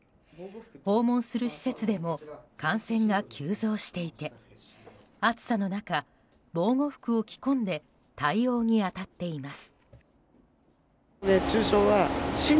訪問する施設でも感染が急増していて暑さの中、防護服を着込んで対応に当たっています。